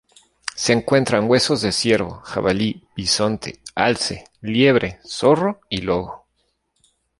Se encuentran huesos de ciervo, jabalí, bisonte, alce, liebre, zorro y lobo.